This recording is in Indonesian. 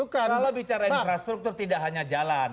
kalau bicara infrastruktur tidak hanya jalan